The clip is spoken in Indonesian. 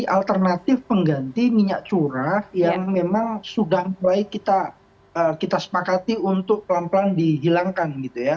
alternatif pengganti minyak curah yang memang sudah mulai kita sepakati untuk pelan pelan dihilangkan gitu ya